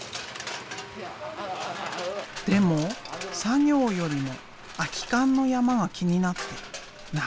でも作業よりも空き缶の山が気になってなかなかはかどらない。